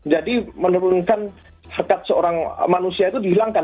jadi menurunkan sekat seorang manusia itu dihilangkan